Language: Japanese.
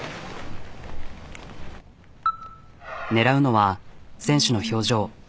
狙うのは選手の表情。